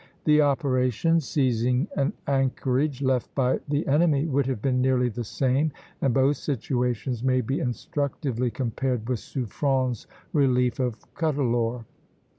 The operation seizing an anchorage left by the enemy would have been nearly the same; and both situations may be instructively compared with Suffren's relief of Cuddalore.